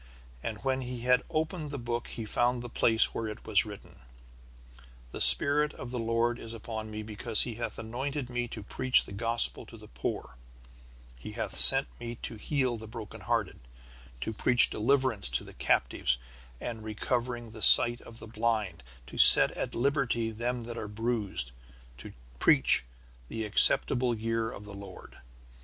And when he had opened the book he found the place where it was written: "The Spirit of the Lord is upon me because he hath anointed me to preach the Gospel to the poor; he hath sent me to heal the broken hearted, to preach deliverance to the captives, and recovering of sight to the blind, to set at liberty them that are bruised, to preach the acceptable year of the Lord.